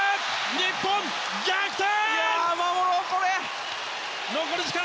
日本逆転！